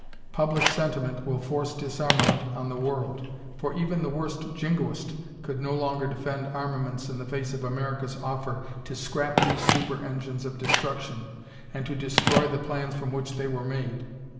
Public sentiment will force disarmament on the world, for even the worst jingoist could no longer defend armaments in the face of America's offer to scrap these super engines of destruction and to destroy the plans from which they were made.